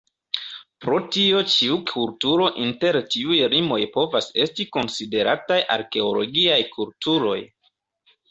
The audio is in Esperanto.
Pro tio ĉiu kulturo inter tiuj limoj povas esti konsiderataj Arkeologiaj kulturoj.